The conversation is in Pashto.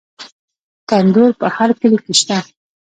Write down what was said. تندور په هر کلي کې شته.